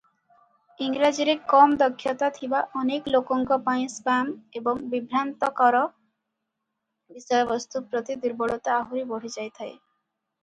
ଇଂରାଜୀରେ କମ ଦକ୍ଷତା ଥିବା ଅନେକ ଲୋକଙ୍କ ପାଇଁ ସ୍ପାମ ଏବଂ ବିଭ୍ରାନ୍ତିକର ବିଷୟବସ୍ତୁ ପ୍ରତି ଦୁର୍ବଳତା ଆହୁରି ବଢ଼ିଯାଇଥାଏ ।